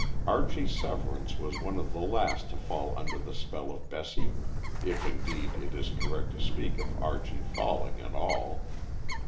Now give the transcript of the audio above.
Archie Severance was one of the last to fall under the spell of Bessie if, indeed, it is correct to speak of Archie falling at all.